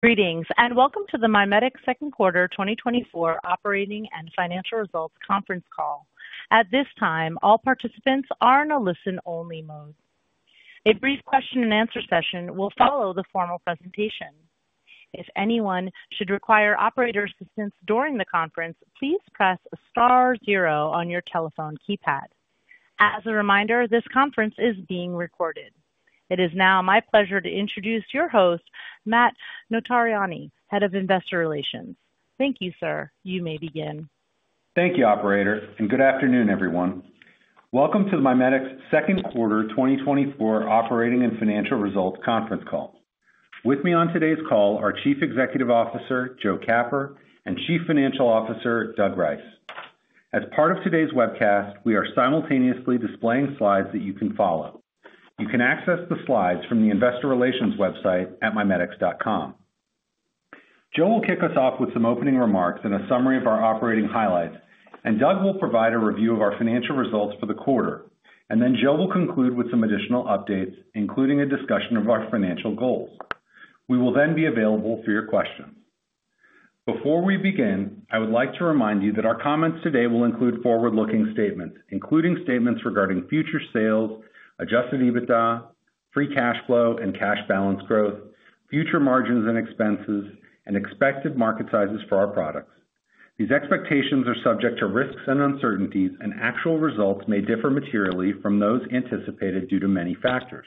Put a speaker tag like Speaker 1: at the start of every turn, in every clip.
Speaker 1: Greetings and welcome to the MiMedx Q2 2024 Operating and Financial Results Conference Call. At this time, all participants are in a listen-only mode. A brief question-and-answer session will follow the formal presentation. If anyone should require operator assistance during the conference, please press star zero on your telephone keypad. As a reminder, this conference is being recorded. It is now my pleasure to introduce your host, Matt Notarianni, Head of Investor Relations. Thank you, sir. You may begin.
Speaker 2: Thank you, operator, and good afternoon, everyone. Welcome to the MiMedx Q2 2024 Operating and Financial Results Conference Call. With me on today's call are Chief Executive Officer Joe Capper and Chief Financial Officer Doug Rice. As part of today's webcast, we are simultaneously displaying slides that you can follow. You can access the slides from the Investor Relations website at mimedx.com. Joe will kick us off with some opening remarks and a summary of our operating highlights, and Doug will provide a review of our financial results for the quarter. Then Joe will conclude with some additional updates, including a discussion of our financial goals. We will then be available for your questions. Before we begin, I would like to remind you that our comments today will include forward-looking statements, including statements regarding future sales, Adjusted EBITDA, Free Cash Flow and cash balance growth, future margins and expenses, and expected market sizes for our products. These expectations are subject to risks and uncertainties, and actual results may differ materially from those anticipated due to many factors.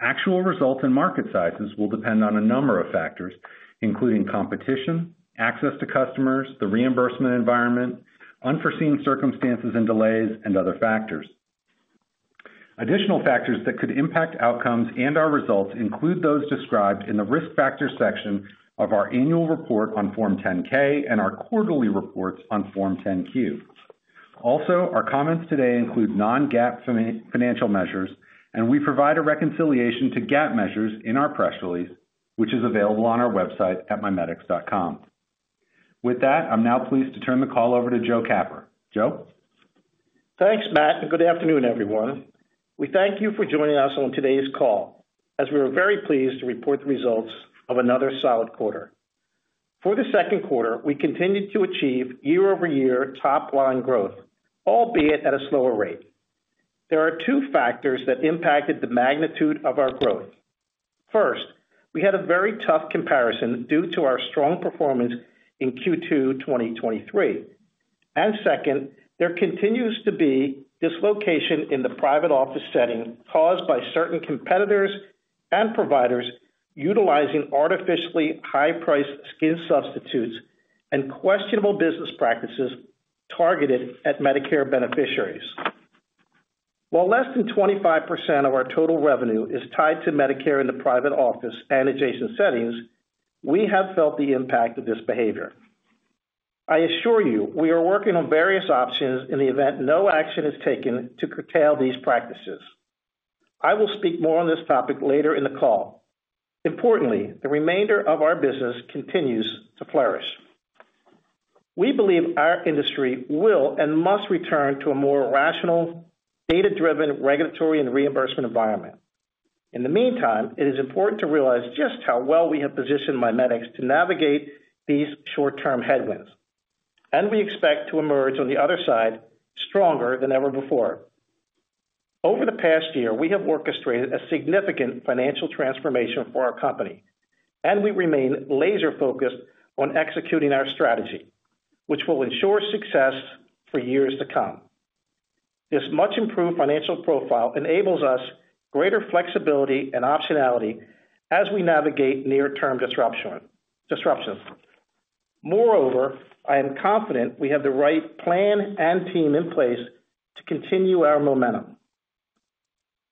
Speaker 2: Actual results and market sizes will depend on a number of factors, including competition, access to customers, the reimbursement environment, unforeseen circumstances and delays, and other factors. Additional factors that could impact outcomes and our results include those described in the risk factor section of our annual report on Form 10-K and our quarterly reports on Form 10-Q. Also, our comments today include non-GAAP financial measures, and we provide a reconciliation to GAAP measures in our press release, which is available on our website at mimedx.com. With that, I'm now pleased to turn the call over to Joe Capper. Joe?
Speaker 3: Thanks, Matt, and good afternoon, everyone. We thank you for joining us on today's call, as we are very pleased to report the results of another solid quarter. For the Q2, we continued to achieve year-over-year top-line growth, albeit at a slower rate. There are two factors that impacted the magnitude of our growth. First, we had a very tough comparison due to our strong performance in Q2 2023. Second, there continues to be dislocation in the private office setting caused by certain competitors and providers utilizing artificially high-priced skin substitutes and questionable business practices targeted at Medicare beneficiaries. While less than 25% of our total revenue is tied to Medicare in the private office and adjacent settings, we have felt the impact of this behavior. I assure you, we are working on various options in the event no action is taken to curtail these practices. I will speak more on this topic later in the call. Importantly, the remainder of our business continues to flourish. We believe our industry will and must return to a more rational, data-driven regulatory and reimbursement environment. In the meantime, it is important to realize just how well we have positioned MiMedx to navigate these short-term headwinds. We expect to emerge on the other side stronger than ever before. Over the past year, we have orchestrated a significant financial transformation for our company, and we remain laser-focused on executing our strategy, which will ensure success for years to come. This much-improved financial profile enables us greater flexibility and optionality as we navigate near-term disruptions. Moreover, I am confident we have the right plan and team in place to continue our momentum.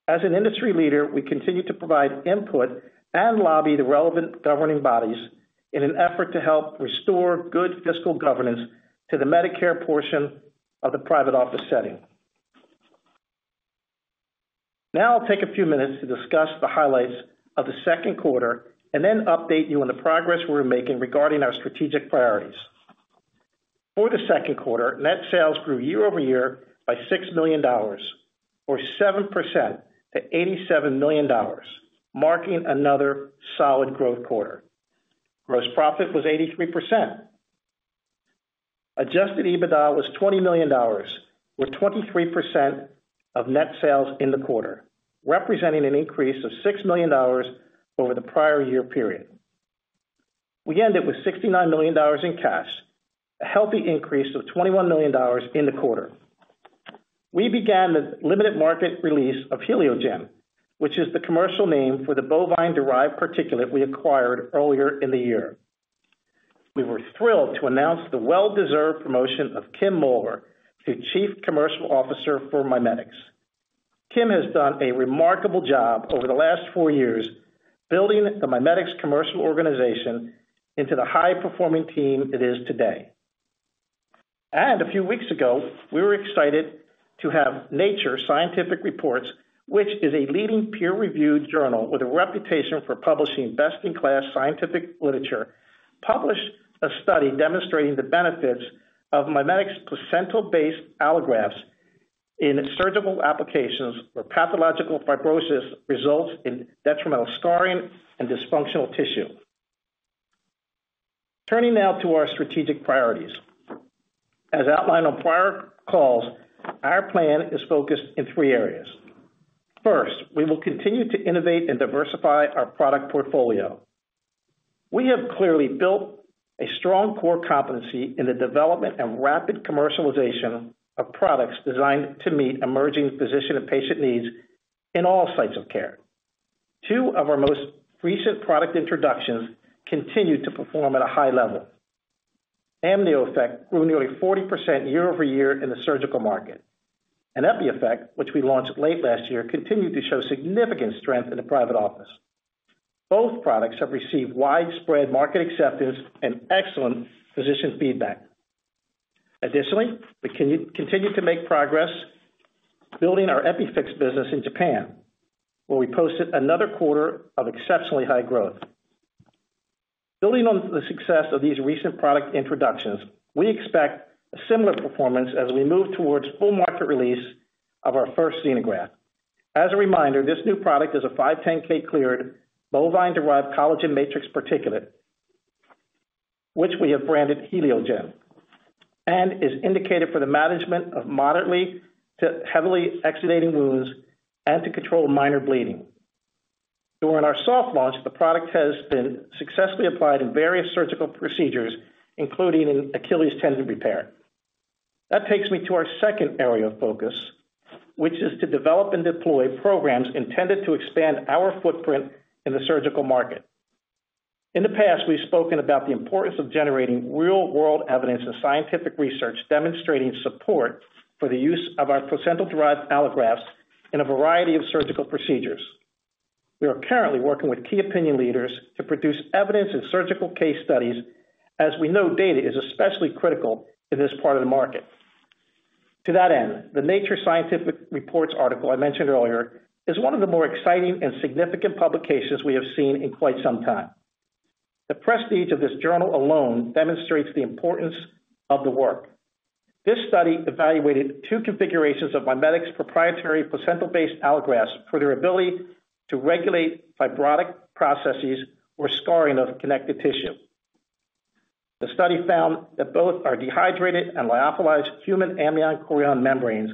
Speaker 3: As an industry leader, we continue to provide input and lobby the relevant governing bodies in an effort to help restore good fiscal governance to the Medicare portion of the private office setting. Now I'll take a few minutes to discuss the highlights of the Q2 and then update you on the progress we're making regarding our strategic priorities. For the Q2, net sales grew year-over-year by $6 million, or 7% to $87 million, marking another solid growth quarter. Gross profit was 83%. Adjusted EBITDA was $20 million, or 23% of net sales in the quarter, representing an increase of $6 million over the prior year period. We ended with $69 million in cash, a healthy increase of $21 million in the quarter. We began the limited market release of HelioGen, which is the commercial name for the bovine-derived particulate we acquired earlier in the year. We were thrilled to announce the well-deserved promotion of Kim Moller to Chief Commercial Officer for MiMedx. Kim has done a remarkable job over the last four years, building the MiMedx commercial organization into the high-performing team it is today. A few weeks ago, we were excited to have Scientific Reports, which is a leading peer-reviewed journal with a reputation for publishing best-in-class scientific literature, publish a study demonstrating the benefits of MiMedx's placental-based allografts in surgical applications where pathological fibrosis results in detrimental scarring and dysfunctional tissue. Turning now to our strategic priorities. As outlined on prior calls, our plan is focused in three areas. First, we will continue to innovate and diversify our product portfolio. We have clearly built a strong core competency in the development and rapid commercialization of products designed to meet emerging physician and patient needs in all sites of care. Two of our most recent product introductions continue to perform at a high level. AMNIOEFFECT grew nearly 40% year-over-year in the surgical market. EPIEFFECT, which we launched late last year, continued to show significant strength in the private office. Both products have received widespread market acceptance and excellent physician feedback. Additionally, we continue to make progress building our EPIFIX business in Japan, where we posted another quarter of exceptionally high growth. Building on the success of these recent product introductions, we expect a similar performance as we move towards full market release of our first xenograft. As a reminder, this new product is a 510(k) cleared bovine-derived collagen matrix particulate, which we have branded HELIOGEN, and is indicated for the management of moderately to heavily exudating wounds and to control minor bleeding. During our soft launch, the product has been successfully applied in various surgical procedures, including in Achilles tendon repair. That takes me to our second area of focus, which is to develop and deploy programs intended to expand our footprint in the surgical market. In the past, we've spoken about the importance of generating real-world evidence and scientific research demonstrating support for the use of our placental-derived allografts in a variety of surgical procedures. We are currently working with key opinion leaders to produce evidence and surgical case studies, as we know data is especially critical in this part of the market. To that end, the Scientific Reports article I mentioned earlier is one of the more exciting and significant publications we have seen in quite some time. The prestige of this journal alone demonstrates the importance of the work. This study evaluated two configurations of MiMedx proprietary placental-based allografts for their ability to regulate fibrotic processes or scarring of connective tissue. The study found that both our dehydrated and lyophilized human amnion-chorion membranes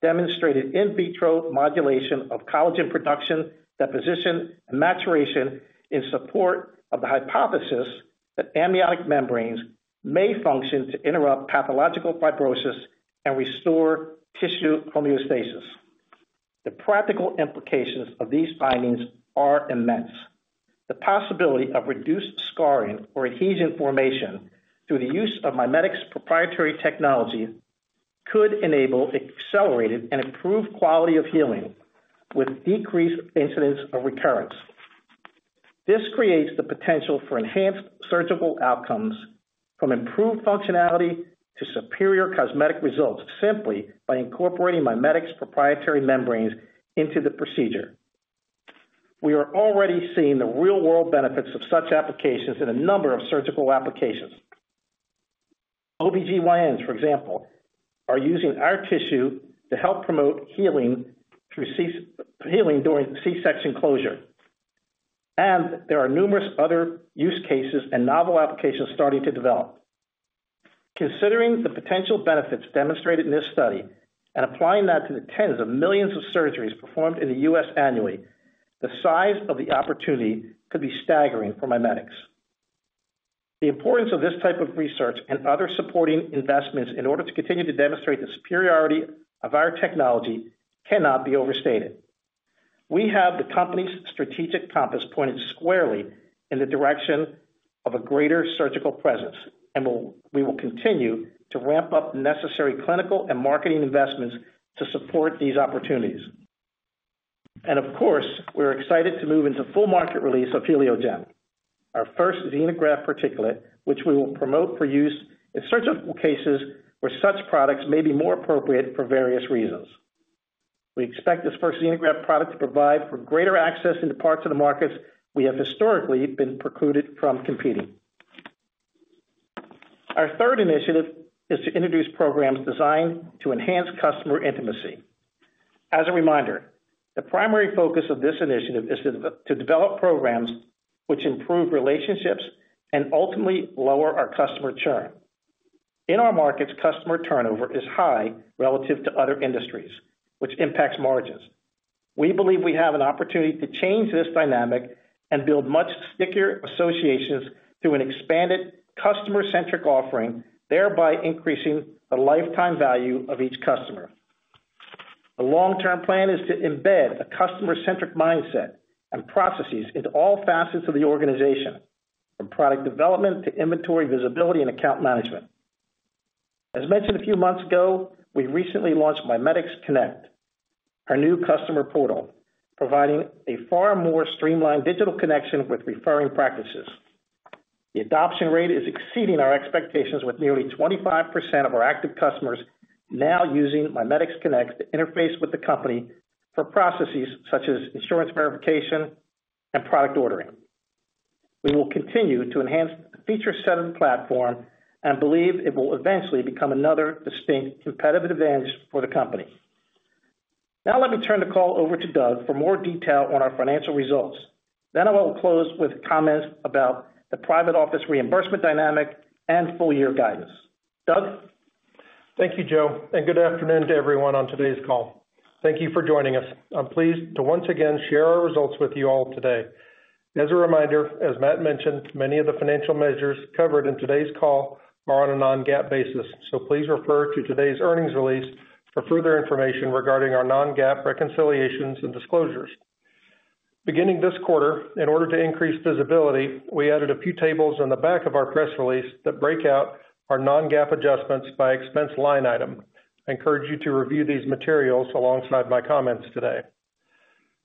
Speaker 3: demonstrated in vitro modulation of collagen production, deposition, and maturation in support of the hypothesis that amniotic membranes may function to interrupt pathological fibrosis and restore tissue homeostasis. The practical implications of these findings are immense. The possibility of reduced scarring or adhesion formation through the use of MiMedx proprietary technology could enable accelerated and improved quality of healing with decreased incidence of recurrence. This creates the potential for enhanced surgical outcomes, from improved functionality to superior cosmetic results, simply by incorporating MiMedx proprietary membranes into the procedure. We are already seeing the real-world benefits of such applications in a number of surgical applications. OB-GYNs, for example, are using our tissue to help promote healing during C-section closure. There are numerous other use cases and novel applications starting to develop. Considering the potential benefits demonstrated in this study and applying that to the tens of millions of surgeries performed in the U.S. annually, the size of the opportunity could be staggering for MiMedx. The importance of this type of research and other supporting investments in order to continue to demonstrate the superiority of our technology cannot be overstated. We have the company's strategic compass pointed squarely in the direction of a greater surgical presence, and we will continue to ramp up necessary clinical and marketing investments to support these opportunities. Of course, we're excited to move into full market release of HELIOGEN, our first xenograft particulate, which we will promote for use in surgical cases where such products may be more appropriate for various reasons. We expect this first xenograft product to provide for greater access into parts of the markets we have historically been precluded from competing. Our third initiative is to introduce programs designed to enhance customer intimacy. As a reminder, the primary focus of this initiative is to develop programs which improve relationships and ultimately lower our customer churn. In our markets, customer turnover is high relative to other industries, which impacts margins. We believe we have an opportunity to change this dynamic and build much stickier associations through an expanded customer-centric offering, thereby increasing the lifetime value of each customer. The long-term plan is to embed a customer-centric mindset and processes into all facets of the organization, from product development to inventory visibility and account management. As mentioned a few months ago, we recently launched MiMedx Connect, our new customer portal, providing a far more streamlined digital connection with referring practices. The adoption rate is exceeding our expectations, with nearly 25% of our active customers now using MiMedx Connect to interface with the company for processes such as insurance verification and product ordering. We will continue to enhance the feature-centered platform and believe it will eventually become another distinct competitive advantage for the company. Now let me turn the call over to Doug for more detail on our financial results. Then I will close with comments about the private office reimbursement dynamic and full-year guidance. Doug?
Speaker 4: Thank you, Joe. Good afternoon to everyone on today's call. Thank you for joining us. I'm pleased to once again share our results with you all today. As a reminder, as Matt mentioned, many of the financial measures covered in today's call are on a non-GAAP basis. So please refer to today's earnings release for further information regarding our non-GAAP reconciliations and disclosures. Beginning this quarter, in order to increase visibility, we added a few tables in the back of our press release that break out our non-GAAP adjustments by expense line item. I encourage you to review these materials alongside my comments today.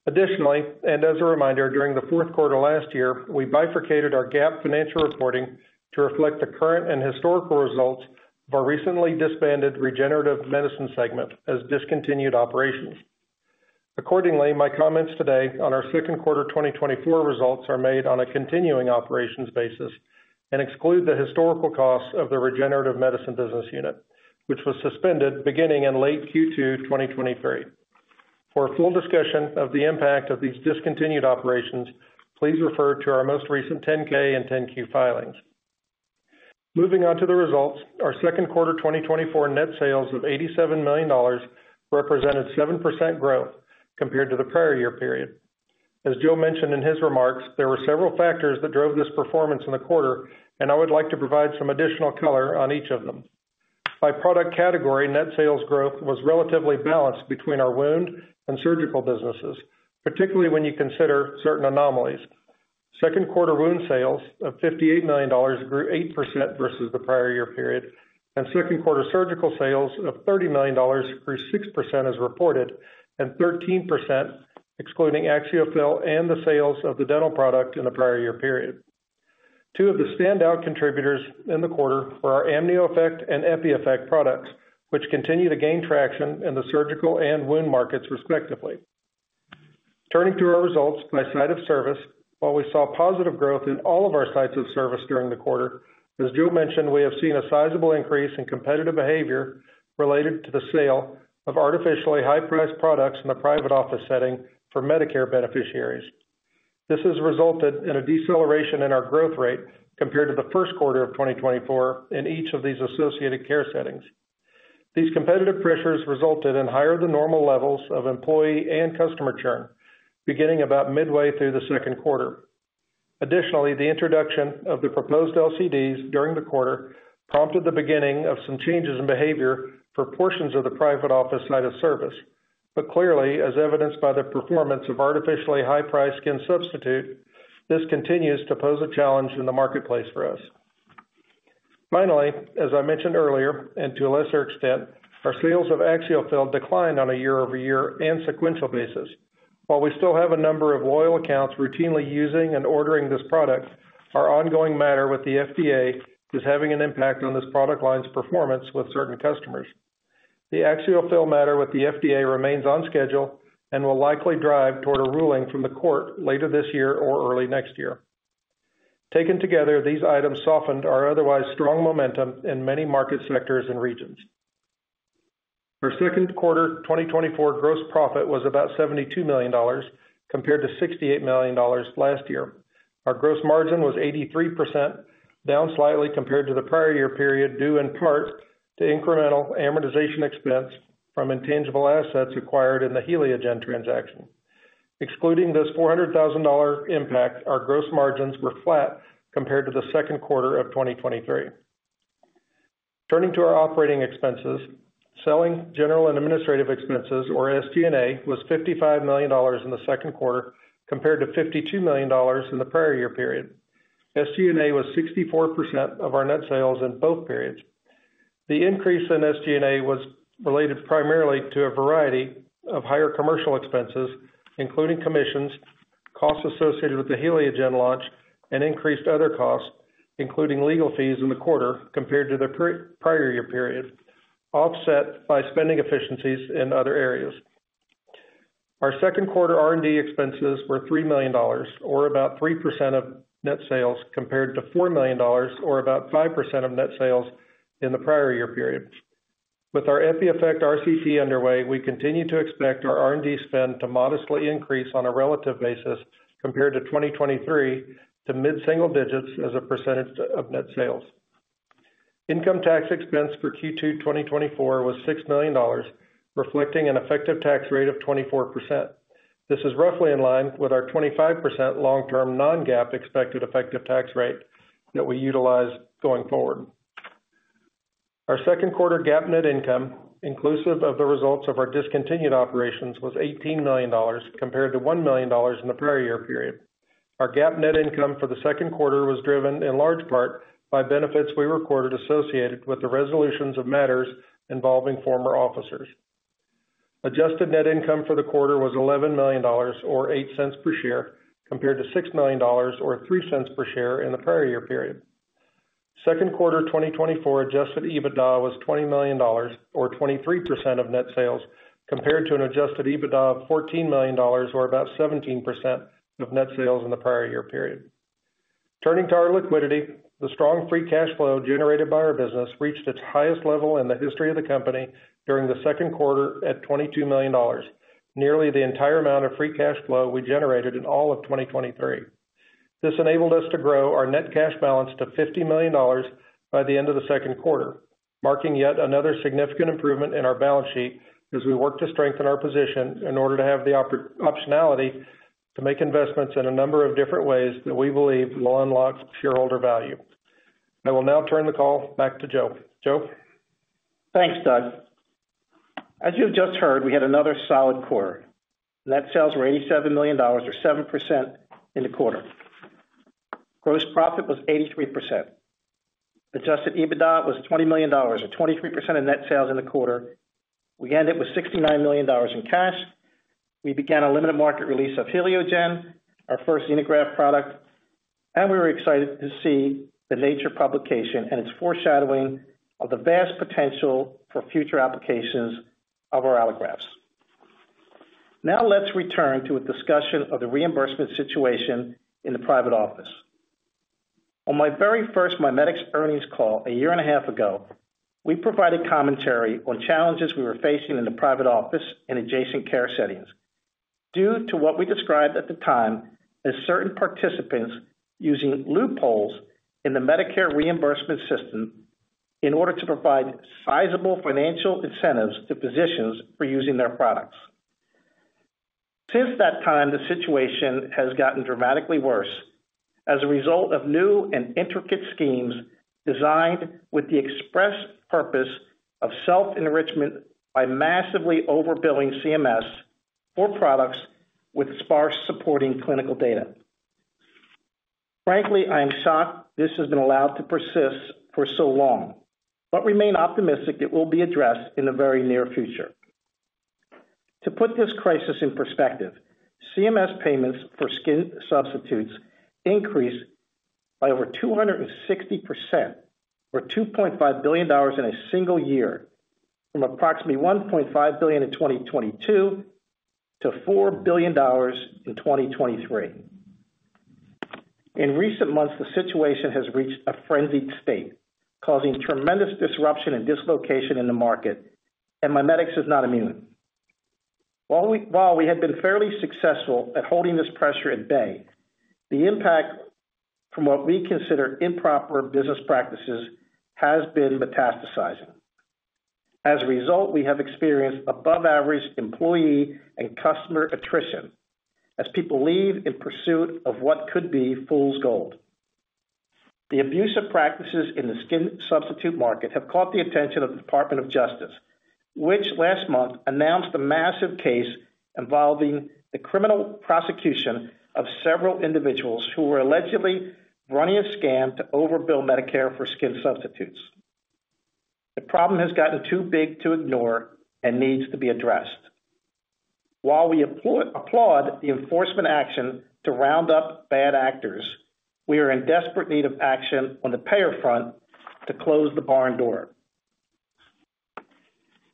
Speaker 4: Additionally, and as a reminder, during the Q4 last year, we bifurcated our GAAP financial reporting to reflect the current and historical results of our recently disbanded regenerative medicine segment as discontinued operations. Accordingly, my comments today on our Q2 2024 results are made on a continuing operations basis and exclude the historical costs of the regenerative medicine business unit, which was suspended beginning in late Q2 2023. For a full discussion of the impact of these discontinued operations, please refer to our most recent 10-K and 10-Q filings. Moving on to the results, our Q2 2024 net sales of $87 million represented 7% growth compared to the prior year period. As Joe mentioned in his remarks, there were several factors that drove this performance in the quarter, and I would like to provide some additional color on each of them. By product category, net sales growth was relatively balanced between our wound and surgical businesses, particularly when you consider certain anomalies. Q2 wound sales of $58 million grew 8% versus the prior year period, and Q2 surgical sales of $30 million grew 6% as reported, and 13% excluding AxioFill and the sales of the dental product in the prior year period. Two of the standout contributors in the quarter were our AmnioEffect and EpiEffect products, which continue to gain traction in the surgical and wound markets, respectively. Turning through our results by site of service, while we saw positive growth in all of our sites of service during the quarter, as Joe mentioned, we have seen a sizable increase in competitive behavior related to the sale of artificially high-priced products in the private office setting for Medicare beneficiaries. This has resulted in a deceleration in our growth rate compared to the Q1 of 2024 in each of these associated care settings. These competitive pressures resulted in higher than normal levels of employee and customer churn, beginning about midway through the Q2. Additionally, the introduction of the proposed LCDs during the quarter prompted the beginning of some changes in behavior for portions of the private office site of service. But clearly, as evidenced by the performance of artificially high-priced skin substitute, this continues to pose a challenge in the marketplace for us. Finally, as I mentioned earlier, and to a lesser extent, our sales of AxioFill declined on a year-over-year and sequential basis. While we still have a number of loyal accounts routinely using and ordering this product, our ongoing matter with the FDA is having an impact on this product line's performance with certain customers. The AxioFill matter with the FDA remains on schedule and will likely drive toward a ruling from the court later this year or early next year. Taken together, these items softened our otherwise strong momentum in many market sectors and regions. Our Q2 2024 gross profit was about $72 million compared to $68 million last year. Our gross margin was 83%, down slightly compared to the prior year period, due in part to incremental amortization expense from intangible assets acquired in the HelioGen transaction. Excluding this $400,000 impact, our gross margins were flat compared to the Q2 of 2023. Turning to our operating expenses, selling general and administrative expenses, or SG&A, was $55 million in the Q2 compared to $52 million in the prior year period. SG&A was 64% of our net sales in both periods. The increase in SG&A was related primarily to a variety of higher commercial expenses, including commissions, costs associated with the HELIOGEN launch, and increased other costs, including legal fees in the quarter compared to the prior year period, offset by spending efficiencies in other areas. Our Q2 R&D expenses were $3 million, or about 3% of net sales, compared to $4 million, or about 5% of net sales in the prior year period. With our EPIEFFECT RCT underway, we continue to expect our R&D spend to modestly increase on a relative basis compared to 2023 to mid-single digits as a percentage of net sales. Income tax expense for Q2 2024 was $6 million, reflecting an effective tax rate of 24%. This is roughly in line with our 25% long-term non-GAAP expected effective tax rate that we utilize going forward. Our Q2 GAAP net income, inclusive of the results of our discontinued operations, was $18 million compared to $1 million in the prior year period. Our GAAP net income for the Q2 was driven in large part by benefits we recorded associated with the resolutions of matters involving former officers. Adjusted net income for the quarter was $11 million, or $0.08 per share, compared to $6 million, or $0.03 per share in the prior year period. Q2 2024 adjusted EBITDA was $20 million, or 23% of net sales, compared to an adjusted EBITDA of $14 million, or about 17% of net sales in the prior year period. Turning to our liquidity, the strong free cash flow generated by our business reached its highest level in the history of the company during the Q2 at $22 million, nearly the entire amount of free cash flow we generated in all of 2023. This enabled us to grow our net cash balance to $50 million by the end of the Q2, marking yet another significant improvement in our balance sheet as we work to strengthen our position in order to have the optionality to make investments in a number of different ways that we believe will unlock shareholder value. I will now turn the call back to Joe. Joe.
Speaker 3: Thanks, Doug. As you've just heard, we had another solid quarter. Net sales were $87 million, or 7% in the quarter. Gross profit was 83%. Adjusted EBITDA was $20 million, or 23% of net sales in the quarter. We ended with $69 million in cash. We began a limited market release of HELIOGEN, our first xenograft product, and we were excited to see the Nature publication and its foreshadowing of the vast potential for future applications of our allografts. Now let's return to a discussion of the reimbursement situation in the private office. On my very first MiMedx earnings call a year and a half ago, we provided commentary on challenges we were facing in the private office and adjacent care settings due to what we described at the time as certain participants using loopholes in the Medicare reimbursement system in order to provide sizable financial incentives to physicians for using their products. Since that time, the situation has gotten dramatically worse as a result of new and intricate schemes designed with the express purpose of self-enrichment by massively overbilling CMS for products with sparse supporting clinical data. Frankly, I am shocked this has been allowed to persist for so long, but remain optimistic it will be addressed in the very near future. To put this crisis in perspective, CMS payments for skin substitutes increased by over 260%, or $2.5 billion in a single year, from approximately $1.5 billion in 2022 to $4 billion in 2023. In recent months, the situation has reached a frenzied state, causing tremendous disruption and dislocation in the market, and MiMedx is not immune. While we had been fairly successful at holding this pressure at bay, the impact from what we consider improper business practices has been metastasizing. As a result, we have experienced above-average employee and customer attrition as people leave in pursuit of what could be fool's gold. The abusive practices in the skin substitute market have caught the attention of the Department of Justice, which last month announced a massive case involving the criminal prosecution of several individuals who were allegedly running a scam to overbill Medicare for skin substitutes. The problem has gotten too big to ignore and needs to be addressed. While we applaud the enforcement action to round up bad actors, we are in desperate need of action on the payer front to close the barn door.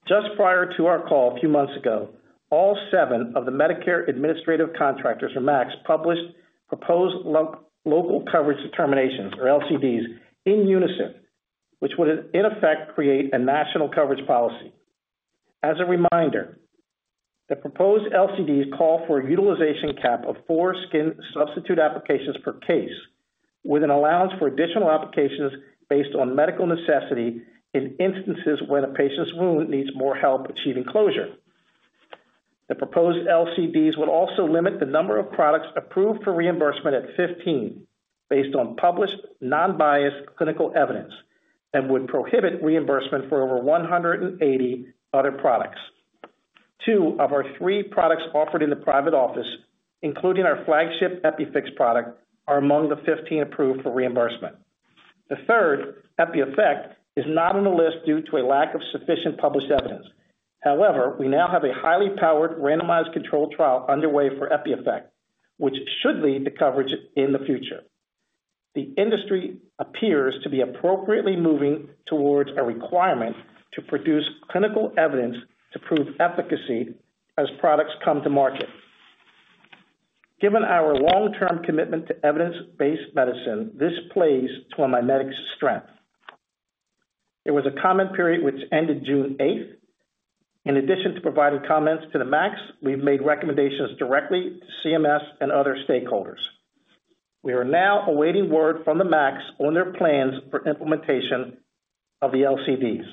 Speaker 3: Just prior to our call a few months ago, all 7 of the Medicare Administrative Contractors, or MACs, published proposed Local Coverage Determinations, or LCDs, in unison, which would, in effect, create a national coverage policy. As a reminder, the proposed LCDs call for a utilization cap of 4 skin substitute applications per case, with an allowance for additional applications based on medical necessity in instances when a patient's wound needs more help achieving closure. The proposed LCDs would also limit the number of products approved for reimbursement at 15 based on published non-biased clinical evidence and would prohibit reimbursement for over 180 other products. Two of our three products offered in the private office, including our flagship EpiFix product, are among the 15 approved for reimbursement. The third, EpiEffect, is not on the list due to a lack of sufficient published evidence. However, we now have a highly powered randomized controlled trial underway for EpiEffect, which should lead to coverage in the future. The industry appears to be appropriately moving towards a requirement to produce clinical evidence to prove efficacy as products come to market. Given our long-term commitment to evidence-based medicine, this plays to our MiMedx's strength. It was a comment period which ended June 8th. In addition to providing comments to the MACs, we've made recommendations directly to CMS and other stakeholders. We are now awaiting word from the MACs on their plans for implementation of the LCDs.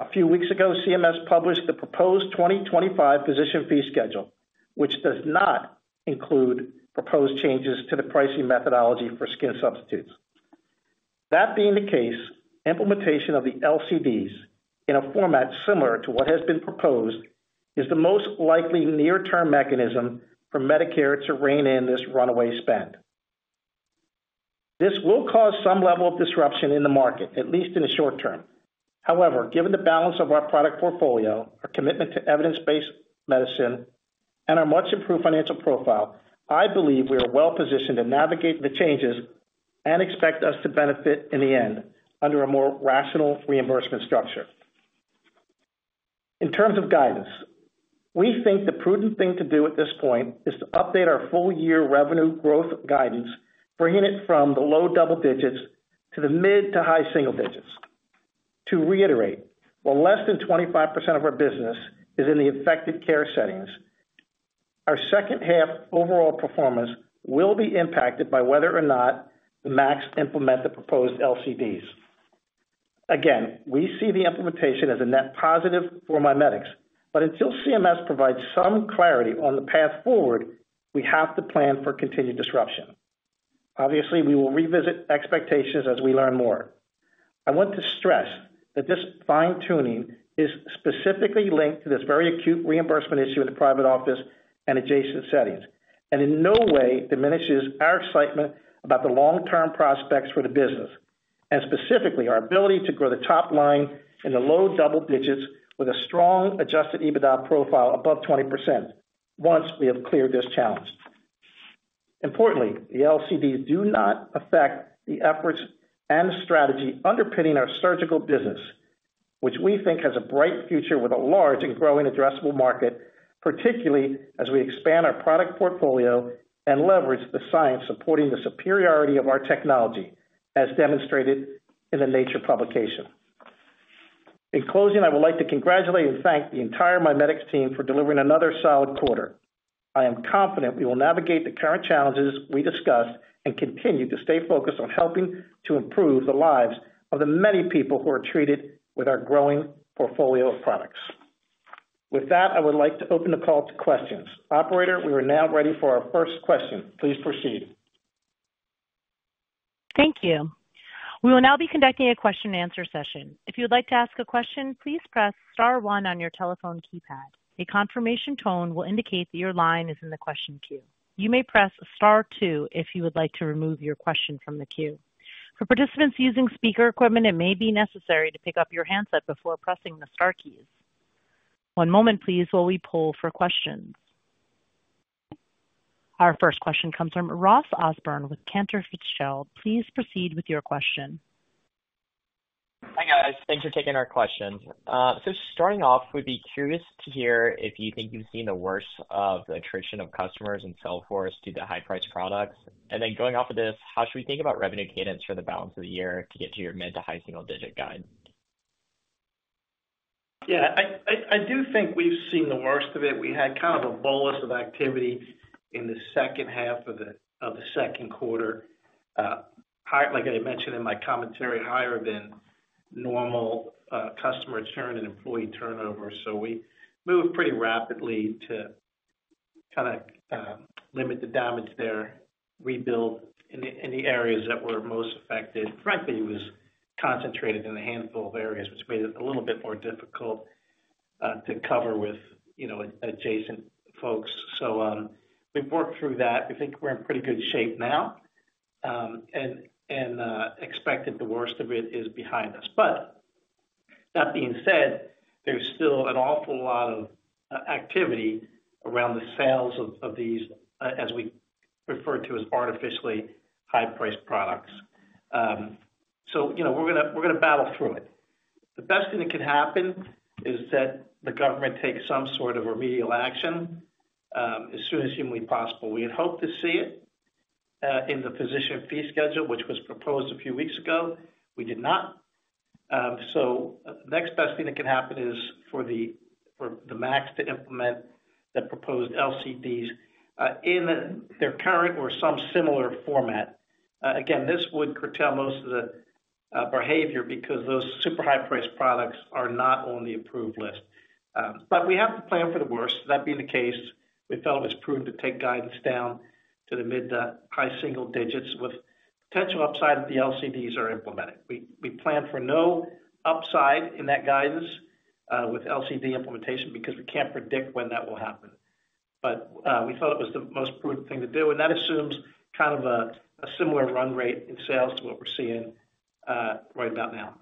Speaker 3: A few weeks ago, CMS published the proposed 2025 Physician Fee Schedule, which does not include proposed changes to the pricing methodology for skin substitutes. That being the case, implementation of the LCDs in a format similar to what has been proposed is the most likely near-term mechanism for Medicare to rein in this runaway spend. This will cause some level of disruption in the market, at least in the short term. However, given the balance of our product portfolio, our commitment to evidence-based medicine, and our much-improved financial profile, I believe we are well-positioned to navigate the changes and expect us to benefit in the end under a more rational reimbursement structure. In terms of guidance, we think the prudent thing to do at this point is to update our full-year revenue growth guidance, bringing it from the low double digits to the mid to high single digits. To reiterate, while less than 25% of our business is in the effective care settings, our second-half overall performance will be impacted by whether or not the MACs implement the proposed LCDs. Again, we see the implementation as a net positive for MiMedx, but until CMS provides some clarity on the path forward, we have to plan for continued disruption. Obviously, we will revisit expectations as we learn more. I want to stress that this fine-tuning is specifically linked to this very acute reimbursement issue in the private office and adjacent settings and in no way diminishes our excitement about the long-term prospects for the business, and specifically our ability to grow the top line in the low double digits with a strong adjusted EBITDA profile above 20% once we have cleared this challenge. Importantly, the LCDs do not affect the efforts and strategy underpinning our surgical business, which we think has a bright future with a large and growing addressable market, particularly as we expand our product portfolio and leverage the science supporting the superiority of our technology, as demonstrated in the Nature publication. In closing, I would like to congratulate and thank the entire MiMedx team for delivering another solid quarter. I am confident we will navigate the current challenges we discussed and continue to stay focused on helping to improve the lives of the many people who are treated with our growing portfolio of products. With that, I would like to open the call to questions. Operator, we are now ready for our first question. Please proceed.
Speaker 1: Thank you. We will now be conducting a question-and-answer session. If you would like to ask a question, please press Star 0ne on your telephone keypad. A confirmation tone will indicate that your line is in the question queue. You may press Star two if you would like to remove your question from the queue. For participants using speaker equipment, it may be necessary to pick up your handset before pressing the Star keys. One moment, please, while we poll for questions. Our first question comes from Ross Osborn with Cantor Fitzgerald. Please proceed with your question.
Speaker 5: Hi guys. Thanks for taking our questions. Starting off, we'd be curious to hear if you think you've seen the worst of the attrition of customers and salesforce due to high-priced products. Then going off of this, how should we think about revenue cadence for the balance of the year to get to your mid to high single-digit guide?
Speaker 3: Yeah, I do think we've seen the worst of it. We had kind of a bolus of activity in the H2 of the Q2, like I mentioned in my commentary, higher than normal customer churn and employee turnover. So we moved pretty rapidly to kind of limit the damage there, rebuild in the areas that were most affected. Frankly, it was concentrated in a handful of areas, which made it a little bit more difficult to cover with adjacent folks. So we've worked through that. We think we're in pretty good shape now and expect that the worst of it is behind us. But that being said, there's still an awful lot of activity around the sales of these, as we refer to as artificially high-priced products. So we're going to battle through it. The best thing that can happen is that the government takes some sort of remedial action as soon as humanly possible. We had hoped to see it in the Physician Fee Schedule, which was proposed a few weeks ago. We did not. So the next best thing that can happen is for the MACs to implement the proposed LCDs in their current or some similar format. Again, this would curtail most of the behavior because those super high-priced products are not on the approved list. But we have to plan for the worst. That being the case, we felt it was prudent to take guidance down to the mid to high single digits with potential upside if the LCDs are implemented. We plan for no upside in that guidance with LCD implementation because we can't predict when that will happen. But we thought it was the most prudent thing to do, and that assumes kind of a similar run rate in sales to what we're seeing right about now.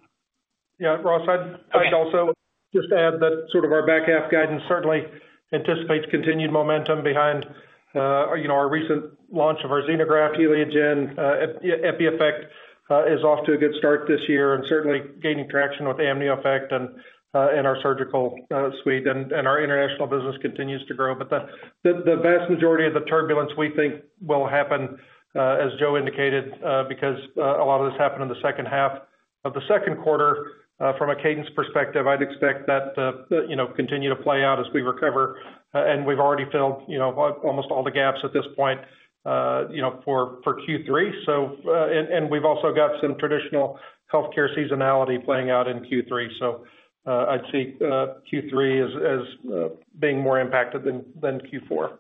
Speaker 4: Yeah, Ross, I'd also just add that sort of our back half guidance certainly anticipates continued momentum behind our recent launch of our xenograft, HELIOGEN. EpiEffect is off to a good start this year and certainly gaining traction with AmnioFix and our surgical suite. And our international business continues to grow. But the vast majority of the turbulence we think will happen, as Joe indicated, because a lot of this happened in the H2 of the Q2. From a cadence perspective, I'd expect that to continue to play out as we recover. And we've already filled almost all the gaps at this point for Q3. And we've also got some traditional healthcare seasonality playing out in Q3. So I'd see Q3 as being more impacted than Q4.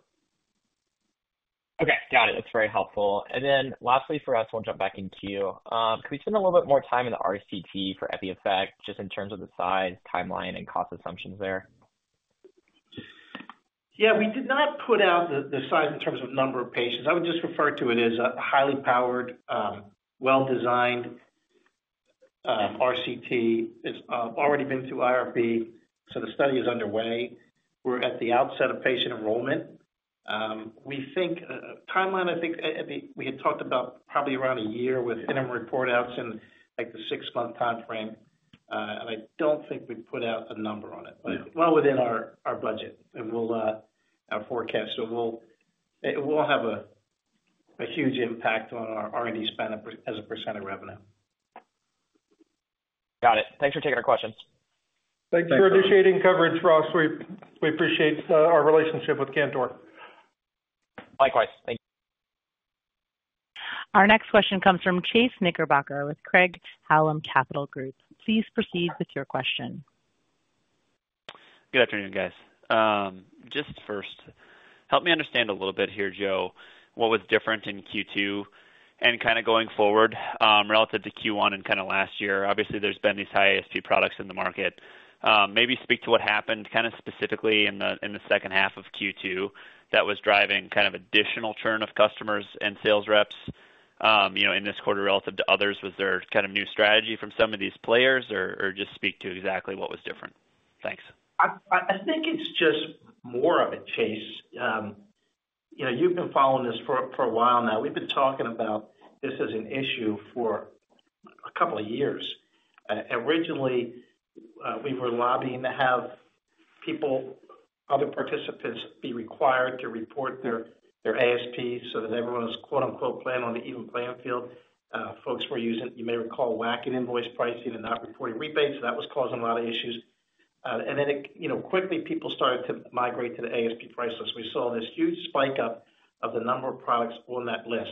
Speaker 5: Okay, got it. That's very helpful. And then lastly, for us, we'll jump back into you. Could we spend a little bit more time in the RCT for EpiEffect just in terms of the size, timeline, and cost assumptions there?
Speaker 3: Yeah, we did not put out the size in terms of number of patients. I would just refer to it as a highly powered, well-designed RCT. It's already been through IRB, so the study is underway. We're at the outset of patient enrollment. We think timeline, I think we had talked about probably around a year with interim report outs in like the 6-month timeframe. And I don't think we've put out a number on it, but well within our budget and our forecast. So it will have a huge impact on our R&D spend as a % of revenue.
Speaker 5: Got it. Thanks for taking our questions.
Speaker 4: Thank you for initiating coverage, Ross. We appreciate our relationship with Cantor.
Speaker 5: Likewise. Thank you.
Speaker 1: Our next question comes from Chase Knickerbocker with Craig-Hallum Capital Group. Please proceed with your question.
Speaker 6: Good afternoon, guys. Just first, help me understand a little bit here, Joe, what was different in Q2 and kind of going forward relative to Q1 and kind of last year. Obviously, there's been these high ASP products in the market. Maybe speak to what happened kind of specifically in the H2 of Q2 that was driving kind of additional churn of customers and sales reps in this quarter relative to others. Was there kind of new strategy from some of these players, or just speak to exactly what was different? Thanks.
Speaker 3: I think it's just more of it, Chase. You've been following this for a while now. We've been talking about this as an issue for a couple of years. Originally, we were lobbying to have people, other participants, be required to report their ASP so that everyone was "playing on the even playing field." Folks were using, you may recall, whacking invoice pricing and not reporting rebates. That was causing a lot of issues. And then quickly, people started to migrate to the ASP price list. We saw this huge spike up of the number of products on that list.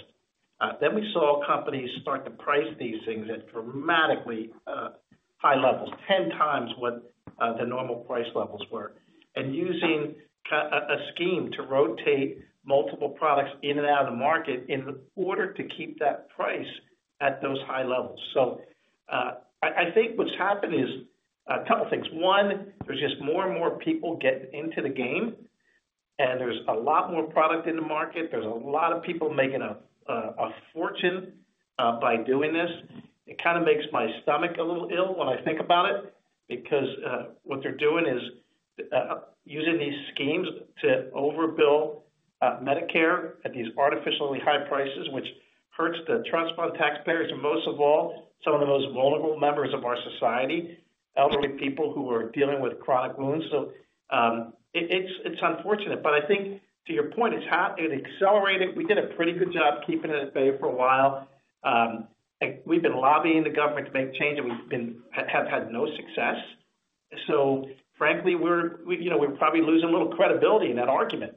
Speaker 3: Then we saw companies start to price these things at dramatically high levels, 10 times what the normal price levels were, and using a scheme to rotate multiple products in and out of the market in order to keep that price at those high levels. So I think what's happened is a couple of things. One, there's just more and more people getting into the game, and there's a lot more product in the market. There's a lot of people making a fortune by doing this. It kind of makes my stomach a little ill when I think about it because what they're doing is using these schemes to overbill Medicare at these artificially high prices, which hurts the trust fund taxpayers and, most of all, some of the most vulnerable members of our society, elderly people who are dealing with chronic wounds. So it's unfortunate. But I think, to your point, it's accelerated. We did a pretty good job keeping it at bay for a while. We've been lobbying the government to make change, and we have had no success. So frankly, we're probably losing a little credibility in that argument,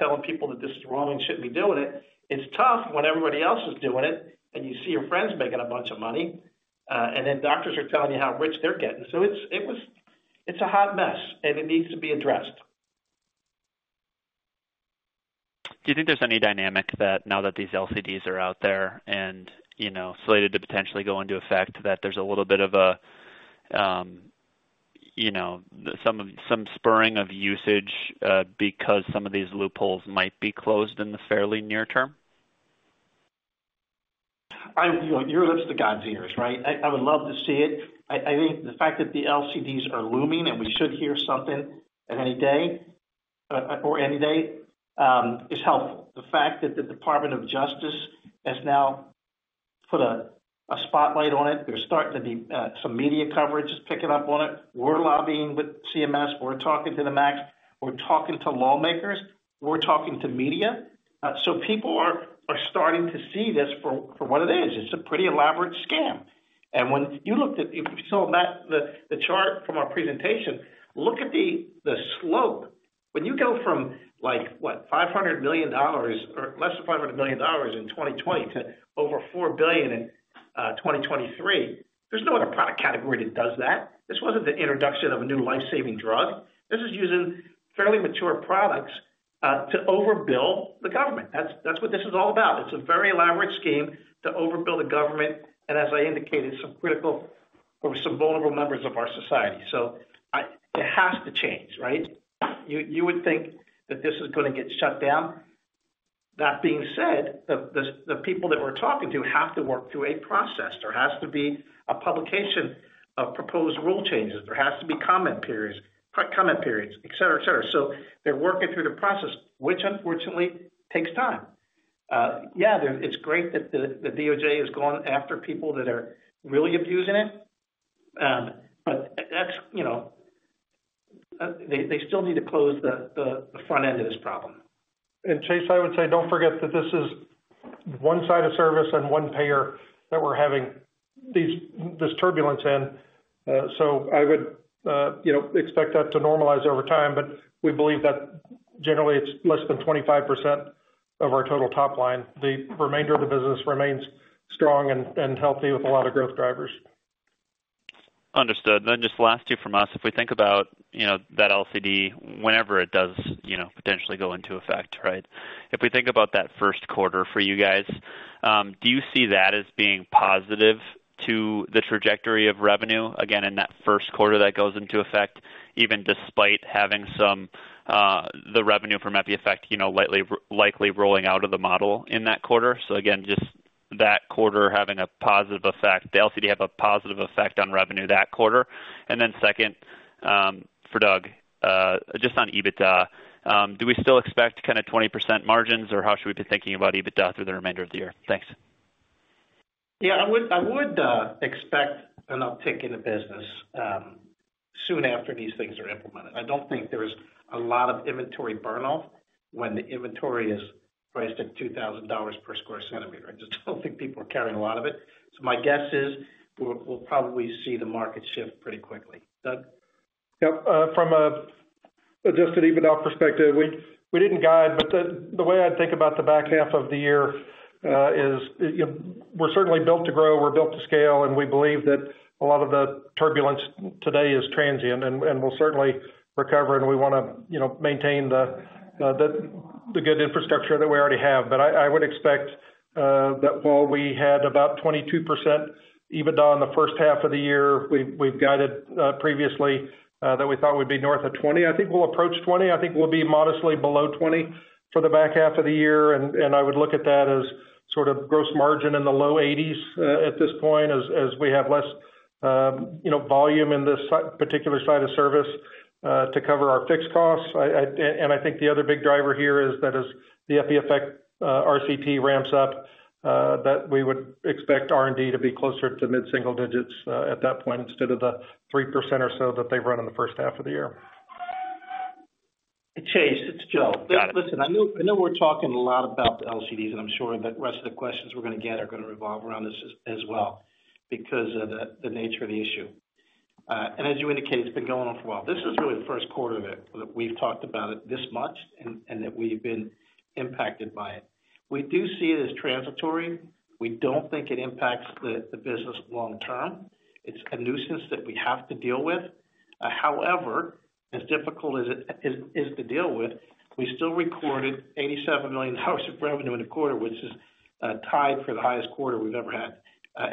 Speaker 3: telling people that this is wrong and shouldn't be doing it. It's tough when everybody else is doing it and you see your friends making a bunch of money, and then doctors are telling you how rich they're getting. So it's a hot mess, and it needs to be addressed.
Speaker 6: Do you think there's any dynamic that now that these LCDs are out there and slated to potentially go into effect, that there's a little bit of some spurring of usage because some of these loopholes might be closed in the fairly near term?
Speaker 3: Your lips are the god's ears, right? I would love to see it. I think the fact that the LCDs are looming and we should hear something any day or any day is helpful. The fact that the Department of Justice has now put a spotlight on it. There's starting to be some media coverage that's picking up on it. We're lobbying with CMS. We're talking to the MACs. We're talking to lawmakers. We're talking to media. So people are starting to see this for what it is. It's a pretty elaborate scam. And when you looked at the chart from our presentation, look at the slope. When you go from, what, $500 million or less than $500 million in 2020 to over $4 billion in 2023, there's no other product category that does that. This wasn't the introduction of a new life-saving drug. This is using fairly mature products to overbill the government. That's what this is all about. It's a very elaborate scheme to overbill the government and, as I indicated, some critical or some vulnerable members of our society. So it has to change, right? You would think that this is going to get shut down. That being said, the people that we're talking to have to work through a process. There has to be a publication of proposed rule changes. There has to be comment periods, etc., etc. So they're working through the process, which unfortunately takes time. Yeah, it's great that the DOJ has gone after people that are really abusing it, but they still need to close the front end of this problem.
Speaker 4: Chase, I would say don't forget that this is one side of service and one payer that we're having this turbulence in. I would expect that to normalize over time, but we believe that generally it's less than 25% of our total top line. The remainder of the business remains strong and healthy with a lot of growth drivers.
Speaker 6: Understood. Then just last two from us. If we think about that LCD, whenever it does potentially go into effect, right? If we think about that Q1 for you guys, do you see that as being positive to the trajectory of revenue again in that Q1 that goes into effect, even despite having the revenue from EpiEffect likely rolling out of the model in that quarter? So again, just that quarter having a positive effect, the LCD have a positive effect on revenue that quarter. And then second, for Doug, just on EBITDA, do we still expect kind of 20% margins, or how should we be thinking about EBITDA through the remainder of the year? Thanks.
Speaker 3: Yeah, I would expect an uptick in the business soon after these things are implemented. I don't think there's a lot of inventory burn-off when the inventory is priced at $2,000 per square centimeter. I just don't think people are carrying a lot of it. So my guess is we'll probably see the market shift pretty quickly. Doug?
Speaker 4: Yep. From just an EBITDA perspective, we didn't guide, but the way I'd think about the back half of the year is we're certainly built to grow. We're built to scale, and we believe that a lot of the turbulence today is transient and will certainly recover, and we want to maintain the good infrastructure that we already have. But I would expect that while we had about 22% EBITDA in the H1 of the year, we've guided previously that we thought we'd be north of 20%. I think we'll approach 20%. I think we'll be modestly below 20% for the back half of the year. And I would look at that as sort of gross margin in the low 80s% at this point as we have less volume in this particular side of service to cover our fixed costs. I think the other big driver here is that as the EpiEffect RCT ramps up, that we would expect R&D to be closer to mid-single digits at that point instead of the 3% or so that they've run in the H1 of the year.
Speaker 3: Chase, it's Joe. Listen, I know we're talking a lot about the LCDs, and I'm sure that the rest of the questions we're going to get are going to revolve around this as well because of the nature of the issue. As you indicate, it's been going on for a while. This is really the Q1 that we've talked about it this much and that we've been impacted by it. We do see it as transitory. We don't think it impacts the business long term. It's a nuisance that we have to deal with. However, as difficult as it is to deal with, we still recorded $87 million of revenue in the quarter, which is tied for the highest quarter we've ever had.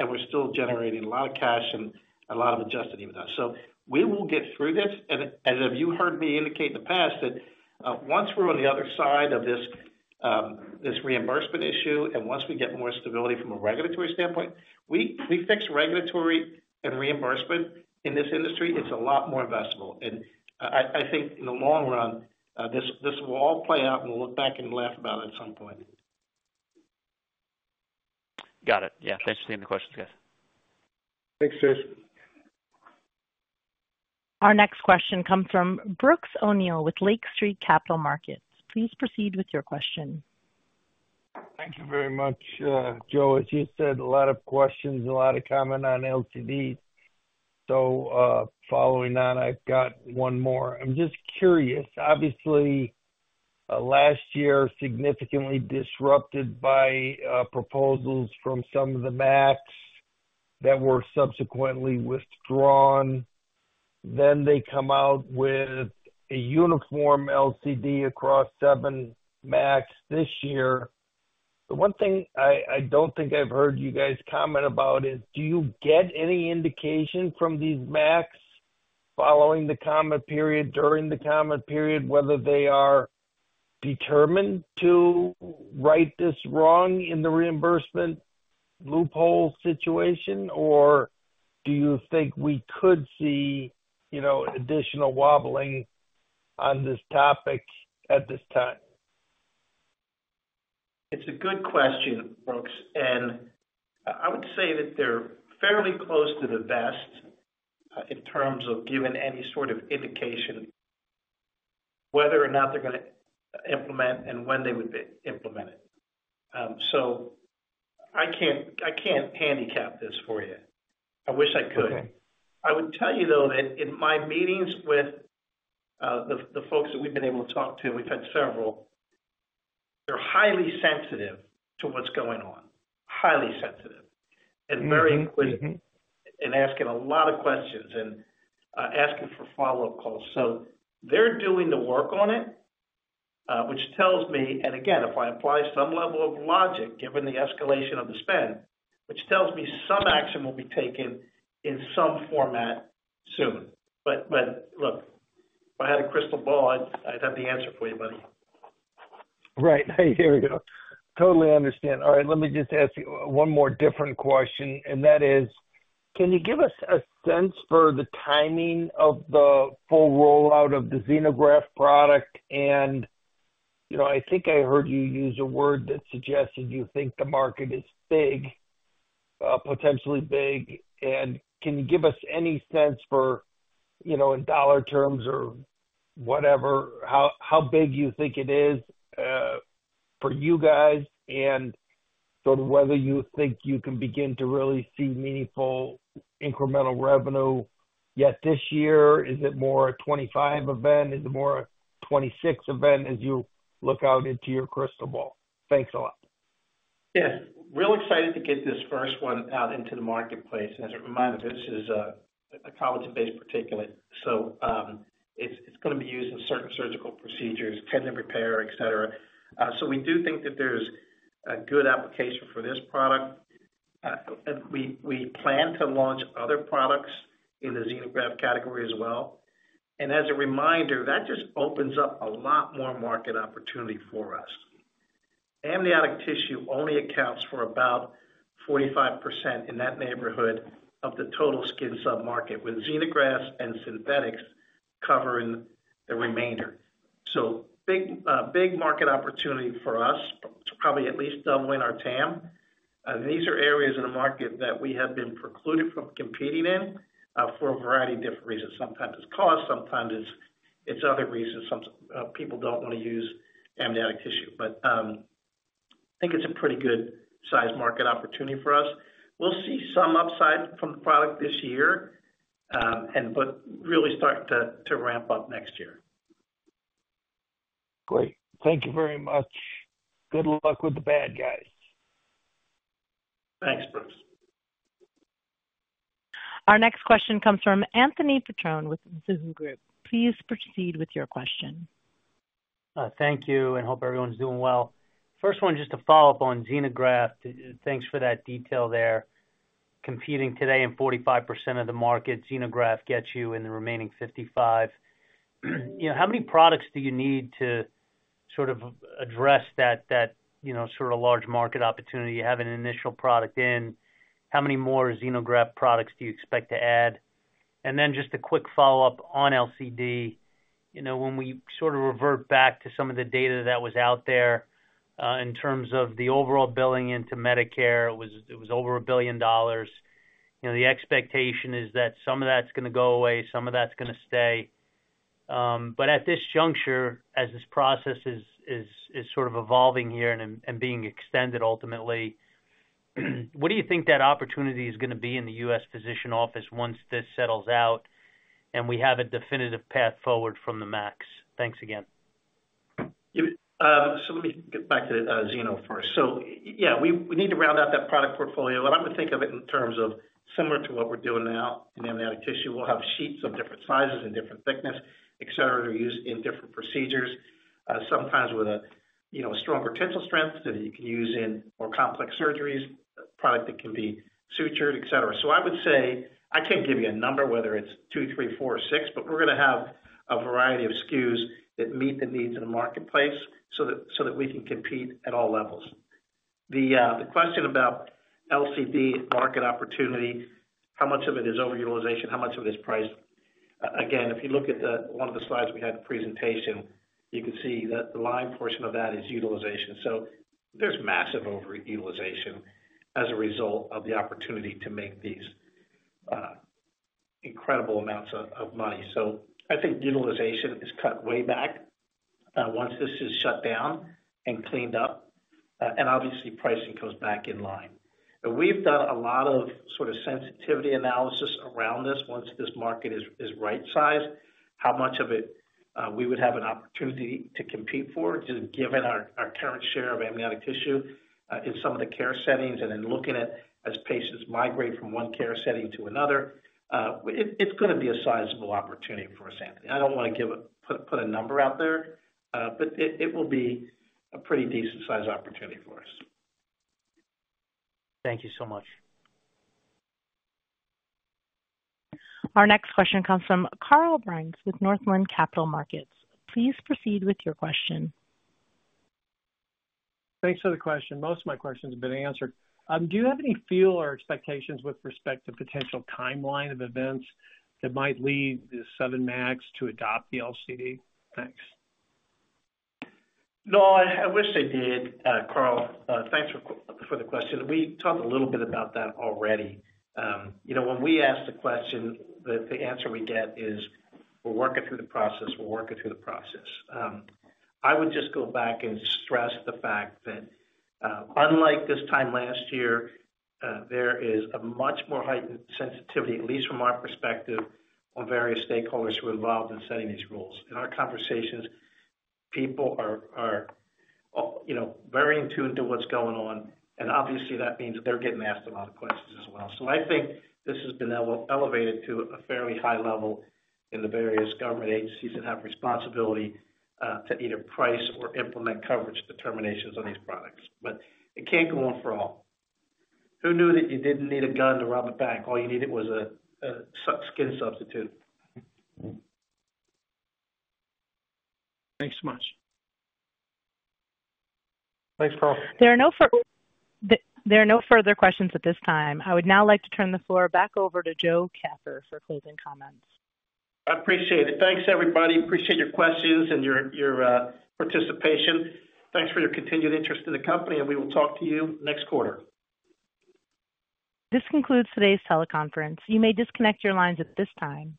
Speaker 3: We're still generating a lot of cash and a lot of Adjusted EBITDA. We will get through this. And as you heard me indicate in the past, that once we're on the other side of this reimbursement issue and once we get more stability from a regulatory standpoint, we fix regulatory and reimbursement in this industry. It's a lot more investable. And I think in the long run, this will all play out, and we'll look back and laugh about it at some point.
Speaker 6: Got it. Yeah. Thanks for taking the questions, guys.
Speaker 4: Thanks, Chase.
Speaker 1: Our next question comes from Brooks O'Neil with Lake Street Capital Markets. Please proceed with your question.
Speaker 7: Thank you very much, Joe. As you said, a lot of questions, a lot of comments on LCDs. So following that, I've got one more. I'm just curious. Obviously, last year significantly disrupted by proposals from some of the MACs that were subsequently withdrawn. Then they come out with a uniform LCD across seven MACs this year. The one thing I don't think I've heard you guys comment about is, do you get any indication from these MACs following the comment period, during the comment period, whether they are determined to right this wrong in the reimbursement loophole situation, or do you think we could see additional wobbling on this topic at this time?
Speaker 3: It's a good question, Brooks. And I would say that they're fairly close to the vest in terms of giving any sort of indication whether or not they're going to implement and when they would implement it. So I can't handicap this for you. I wish I could. I would tell you, though, that in my meetings with the folks that we've been able to talk to, we've had several, they're highly sensitive to what's going on, highly sensitive and very inquisitive and asking a lot of questions and asking for follow-up calls. So they're doing the work on it, which tells me, and again, if I apply some level of logic, given the escalation of the spend, which tells me some action will be taken in some format soon. But look, if I had a crystal ball, I'd have the answer for you, buddy.
Speaker 7: Right. Here we go. Totally understand. All right. Let me just ask you one more different question, and that is, can you give us a sense for the timing of the full rollout of the Xenograft product? And I think I heard you use a word that suggested you think the market is big, potentially big. And can you give us any sense for, in dollar terms or whatever, how big you think it is for you guys and sort of whether you think you can begin to really see meaningful incremental revenue yet this year? Is it more a 2025 event? Is it more a 2026 event as you look out into your crystal ball? Thanks a lot.
Speaker 3: Yes. Really excited to get this first one out into the marketplace. As a reminder, this is a collagen-based particulate. So it's going to be used in certain surgical procedures, tendon repair, etc. So we do think that there's a good application for this product. We plan to launch other products in the xenograft category as well. As a reminder, that just opens up a lot more market opportunity for us. Amniotic tissue only accounts for about 45% in that neighborhood of the total skin submarket, with xenografts and synthetics covering the remainder. So big market opportunity for us, probably at least doubling our TAM. These are areas in the market that we have been precluded from competing in for a variety of different reasons. Sometimes it's cost. Sometimes it's other reasons. People don't want to use amniotic tissue. But I think it's a pretty good-sized market opportunity for us. We'll see some upside from the product this year and really start to ramp up next year.
Speaker 7: Great. Thank you very much. Good luck with the bad, guys.
Speaker 3: Thanks, Brooks.
Speaker 1: Our next question comes from Anthony Petrone with Mizuho Group. Please proceed with your question.
Speaker 8: Thank you and hope everyone's doing well. First one, just to follow up on Xenograft, thanks for that detail there. Competing today in 45% of the market, Xenograft gets you in the remaining 55%. How many products do you need to sort of address that sort of large market opportunity? You have an initial product in. How many more Xenograft products do you expect to add? And then just a quick follow-up on LCD. When we sort of revert back to some of the data that was out there in terms of the overall billing into Medicare, it was over $1 billion. The expectation is that some of that's going to go away, some of that's going to stay. But at this juncture, as this process is sort of evolving here and being extended ultimately, what do you think that opportunity is going to be in the U.S. physician office once this settles out and we have a definitive path forward from the MACs? Thanks again.
Speaker 3: So let me get back to Xeno first. So yeah, we need to round out that product portfolio. I'm going to think of it in terms of similar to what we're doing now in amniotic tissue. We'll have sheets of different sizes and different thickness, etc., that are used in different procedures, sometimes with a stronger tensile strength that you can use in more complex surgeries, a product that can be sutured, etc. So I would say I can't give you a number, whether it's 2, 3, 4, or 6, but we're going to have a variety of SKUs that meet the needs of the marketplace so that we can compete at all levels. The question about LCD market opportunity, how much of it is overutilization, how much of it is priced? Again, if you look at one of the slides we had in the presentation, you can see that the line portion of that is utilization. So there's massive overutilization as a result of the opportunity to make these incredible amounts of money. So I think utilization is cut way back once this is shut down and cleaned up, and obviously pricing comes back in line. We've done a lot of sort of sensitivity analysis around this. Once this market is right-sized, how much of it we would have an opportunity to compete for, just given our current share of amniotic tissue in some of the care settings and in looking at as patients migrate from one care setting to another, it's going to be a sizable opportunity for us, Anthony. I don't want to put a number out there, but it will be a pretty decent-sized opportunity for us.
Speaker 8: Thank you so much.
Speaker 1: Our next question comes from Carl Byrnes with Northland Capital Markets. Please proceed with your question.
Speaker 9: Thanks for the question. Most of my questions have been answered. Do you have any feel or expectations with respect to potential timeline of events that might lead the seven MACs to adopt the LCD? Thanks.
Speaker 3: No, I wish I did, Carl. Thanks for the question. We talked a little bit about that already. When we ask the question, the answer we get is, "We're working through the process. We're working through the process." I would just go back and stress the fact that unlike this time last year, there is a much more heightened sensitivity, at least from our perspective, on various stakeholders who are involved in setting these rules. In our conversations, people are very in tune to what's going on. And obviously, that means they're getting asked a lot of questions as well. So I think this has been elevated to a fairly high level in the various government agencies that have responsibility to either price or implement coverage determinations on these products. But it can't go on for all. Who knew that you didn't need a gun to rob a bank? All you needed was a skin substitute.
Speaker 9: Thanks so much.
Speaker 4: Thanks, Carl.
Speaker 1: There are no further questions at this time. I would now like to turn the floor back over to Joe Capper for closing comments.
Speaker 3: I appreciate it. Thanks, everybody. Appreciate your questions and your participation. Thanks for your continued interest in the company, and we will talk to you next quarter.
Speaker 1: This concludes today's teleconference. You may disconnect your lines at this time.